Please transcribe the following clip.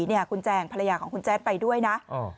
นี่คุณแจงภรรยาของคุณแจ๊ดไปด้วยนะ